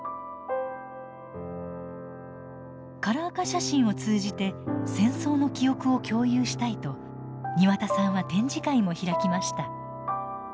カラー化写真を通じて戦争の記憶を共有したいと庭田さんは展示会も開きました。